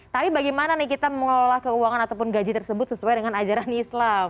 tapi bagaimana nih kita mengelola keuangan ataupun gaji tersebut sesuai dengan ajaran islam